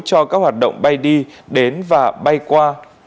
cho các hoạt động bay đi đến và bay qua